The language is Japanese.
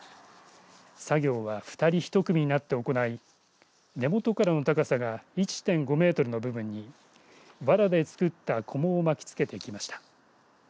作業は２人１組になって行い根元からの高さが１．５メートルの部分にわらで作ったこもを巻きつけていきました。